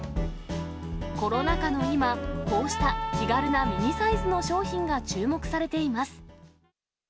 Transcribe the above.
コロナ禍の今、こうした気軽なミニサイズの商品が注目されています。